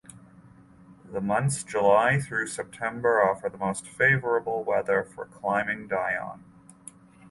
The months July through September offer the most favorable weather for climbing Dione.